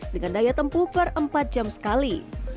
dengan daya tempuh per empat jam sekali